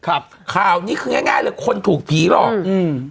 ข่าวนี้คือง่ายง่ายเลยคนถูกผีหลอกอืม